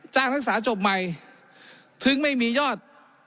จ้างทักษาจบใหม่ถึงไม่มียอด